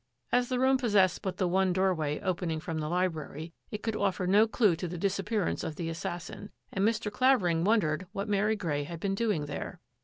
As the room possessed but the one doorway opening from the library, it could offer no clue to the dis appearance of the assassin, and Mr. Clavering wondered what Mary Grey had been doing there.